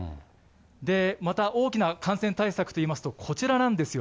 また、大きな感染対策といいますと、こちらなんですよ。